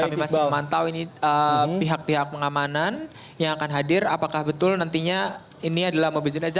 kami masih memantau ini pihak pihak pengamanan yang akan hadir apakah betul nantinya ini adalah mobil jenazah